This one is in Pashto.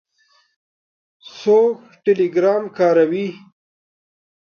څوک ټیلیګرام کاروي؟